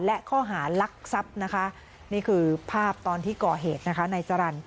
และข้อหารักทรัพย์นะคะนี่คือภาพตอนที่ก่อเหตุนะคะนายจรรย์